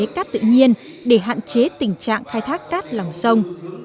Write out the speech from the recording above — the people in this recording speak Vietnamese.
các giải pháp khắc phục tình trạng khan hiếm cát tự nhiên để hạn chế tình trạng khai thác cát lòng sông